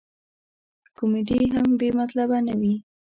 کمیډي هم بې مطلبه نه وي.